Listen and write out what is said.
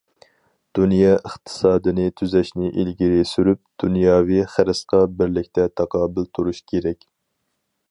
دۇنيا ئىقتىسادىنى تۈزەشنى ئىلگىرى سۈرۈپ، دۇنياۋى خىرىسقا بىرلىكتە تاقابىل تۇرۇش كېرەك.